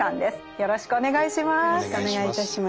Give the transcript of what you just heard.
よろしくお願いします。